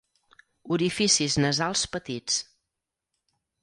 Orificis nasals petits.